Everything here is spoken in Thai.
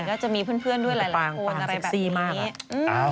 ก็จะมีเพื่อนด้วยหลายคน